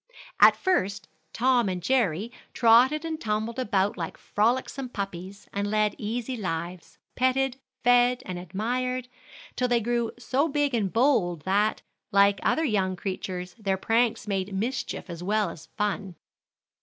At first, Tom and Jerry trotted and tumbled about like frolicsome puppies, and led easy lives, petted, fed and admired, till they grew so big and bold that, like other young creatures, their pranks made mischief as well as fun.